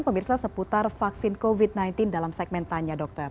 pemirsa seputar vaksin covid sembilan belas dalam segmen tanya dokter